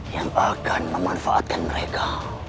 yang akan memanfaatkan mereka